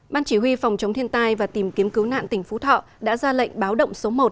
ban chỉ huy phòng chống thiên tai và tìm kiếm cứu nạn tỉnh phú thọ đã ra lệnh báo động số một